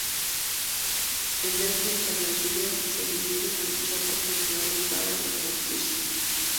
Emergen tras las lluvias y se dirigen a los charcos temporales para reproducirse.